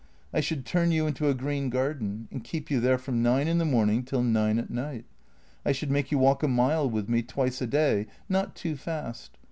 I should turn you into a green garden and keep you there from nine in the morning till nine at night. I should make you walk a mile with me twice a day — not too fast.